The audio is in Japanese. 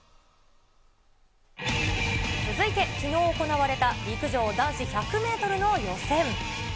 続いてきのう行われた、陸上男子１００メートルの予選。